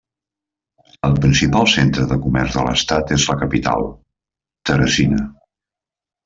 El principal centre de comerç de l'estat és la capital, Teresina.